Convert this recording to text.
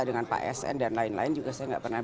dengan pak sn dan lain lain juga saya nggak pernah